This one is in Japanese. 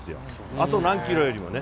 あと何キロよりもね。